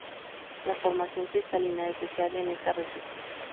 La formación cristalina es deseable en esta receta.